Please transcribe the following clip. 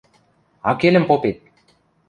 Акелӹм попет!..